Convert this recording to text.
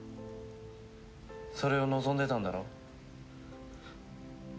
それを望んでたんだろ？